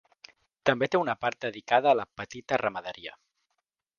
També té una part dedicada a la petita ramaderia.